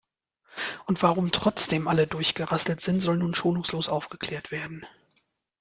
Und warum trotzdem alle durchgerasselt sind, soll nun schonungslos aufgeklärt werden.